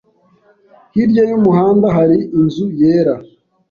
Hirya y'umuhanda hari inzu yera.